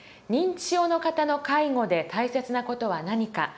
認知症の方の介護で大切な事は何か。